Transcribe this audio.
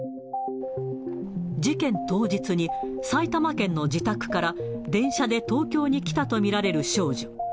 事件当日に、埼玉県の自宅から電車で東京に来たと見られる少女。